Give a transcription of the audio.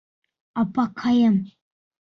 Апаҡайым!